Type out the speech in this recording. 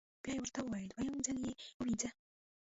بیا یې ورته وویل: دویم ځل یې ووینځه.